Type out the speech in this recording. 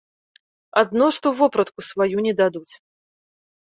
Адно што вопратку сваю не дадуць.